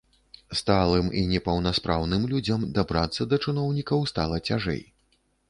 Сталым і непаўнаспраўным людзям дабрацца да чыноўнікаў стала цяжэй.